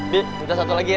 bik minta satu lagi ya